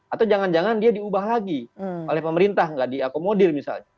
atau jangan jangan dia diubah lagi oleh pemerintah nggak diakomodir misalnya